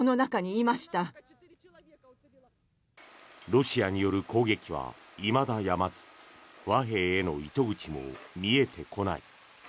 ロシアによる攻撃はいまだやまず和平への糸口も見えてこない。